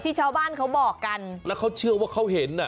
ชาวบ้านเขาบอกกันแล้วเขาเชื่อว่าเขาเห็นอ่ะ